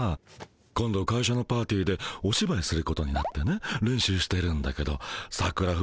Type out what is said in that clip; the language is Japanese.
今度会社のパーティーでおしばいすることになってね練習してるんだけどさくら